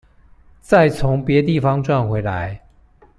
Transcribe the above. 再從別地方賺回來